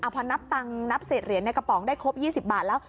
พอนับเศษเหรียญในกระป๋องได้ครบ๒๐บาทแล้ว